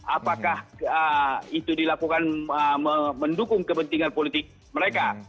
apakah itu dilakukan mendukung kepentingan politik mereka